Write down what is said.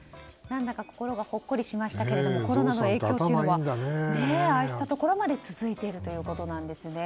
何だか心がほっこりしましたけれどもコロナの影響がああいったところまで続いているということですね。